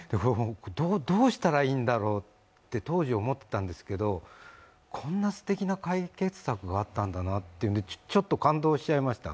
どうしたらいいんだろうって当時思ったんですけどこんなすてきな解決策があったんだなとちょっと感動しちゃいました。